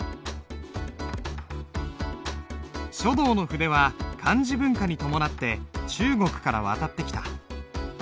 書道の筆は漢字文化に伴って中国から渡ってきた。